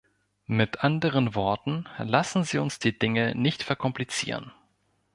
Mit anderen Worten, lassen Sie uns die Dinge nicht verkomplizieren.